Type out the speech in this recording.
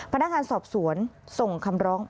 พนักงานสอบสวนส่งคำร้อง